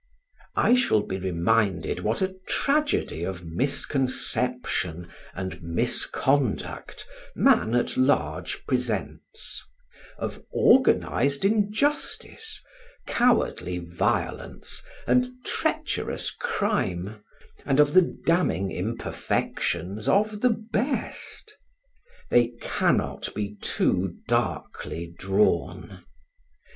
I shall be reminded what a tragedy of misconception and misconduct man at large presents: of organised injustice, cowardly violence and treacherous crime; and of the damning imperfections of the best. They cannot be too darkly drawn.